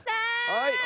はい。